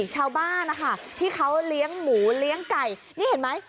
ชาวบ้านนะคะที่เขาเลี้ยงหมูเลี้ยงไก่นี่เห็นไหม